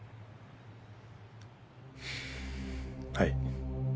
はい。